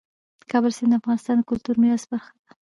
د کابل سیند د افغانستان د کلتوري میراث برخه ده.